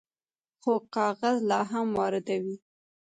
خو کاغذ لا هم واردوي.